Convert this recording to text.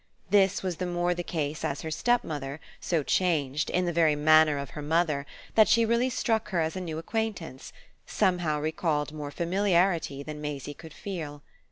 This was the more the case as her stepmother, so changed in the very manner of her mother that she really struck her as a new acquaintance, somehow recalled more familiarity than Maisie could feel.